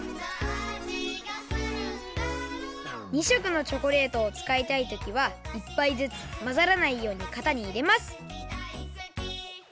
２しょくのチョコレートをつかいたいときは１ぱいずつまざらないようにかたにいれます。